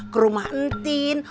ke rumah entin